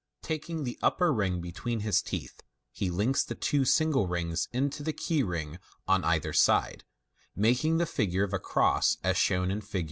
Taking the upper ring between his teeth, he links the two single rings into the key ring on either side, making the figure of a cross, as shown in Fig.